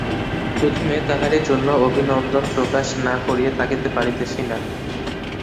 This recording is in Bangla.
প্রথমে তাহারই জন্য অভিনন্দন প্রকাশ না করিয়া থাকিতে পারিতেছি না।